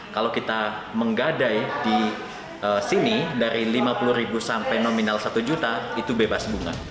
kalau kita menggadai di sini dari lima puluh ribu sampai nominal satu juta itu bebas bunga